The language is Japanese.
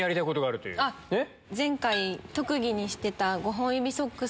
前回特技にしてた。